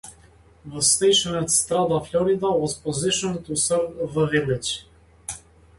The station at Strata Florida was positioned to serve the village.